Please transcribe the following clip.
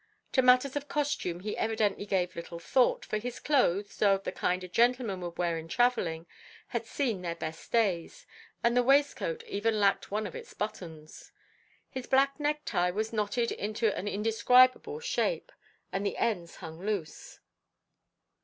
To matters of costume he evidently gave little thought, for his clothes, though of the kind a gentleman would wear in travelling, had seen their best days, and the waistcoat even lacked one of its buttons; his black necktie was knotted into an indescribable shape, and the ends hung loose.